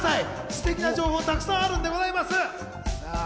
ステキな情報、たくさんあるんでございます。